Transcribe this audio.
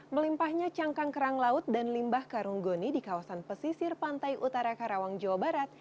melimpahnya cangkang kerang laut dan limbah karung goni di kawasan pesisir pantai utara karawang jawa barat